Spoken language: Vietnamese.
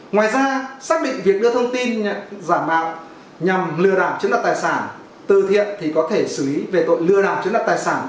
ngoài ra xác định việc đưa thông tin giảm ạc nhằm lừa đảo chứng đặt tài sản từ thiện thì có thể xử lý về tội lừa đảo chứng đặt tài sản